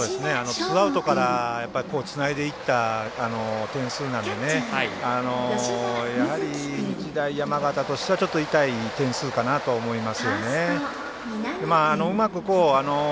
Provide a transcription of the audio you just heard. ツーアウトからつないでいった点数なのでやはり日大山形としてはちょっと痛い点数かなとは思いますよね。